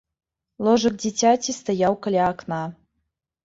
Ложак дзіцяці стаяў каля акна.